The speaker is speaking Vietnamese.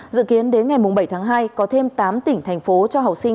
dự kiến đến ngày bảy tháng hai có thêm tám tỉnh thành phố cho học sinh